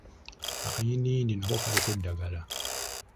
Akayindiyindi nako kaliko eddagala.